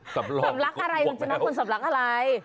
ทำระลักอะไรเป็นจำนรกคนทำระหลักอะไร